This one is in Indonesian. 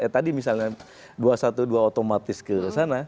tadi misalnya dua satu dua otomatis ke sana